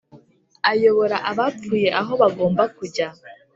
ayobora abapfuye aho bagomba kujya